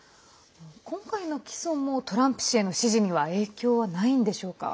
今回の起訴もトランプ氏への支持には影響はないのでしょうか？